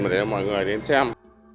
mà để mọi người đến xem